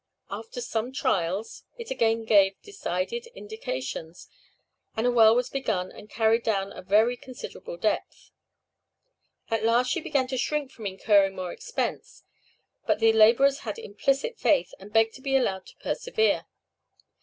After some trials, it again gave decided indications, and a well was begun and carried down a very considerable depth. At last she began to shrink from incurring more expense, but the laborers had implicit faith; and begged to be allowed to persevere.